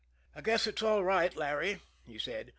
"I guess it's all right, Larry," he said.